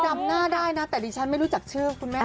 จำหน้าได้นะแต่ดิฉันไม่รู้จักชื่อคุณแม่